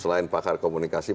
selain pakar komunikasi